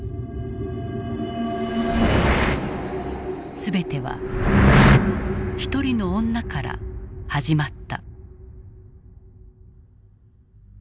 全ては１人の女から始まった。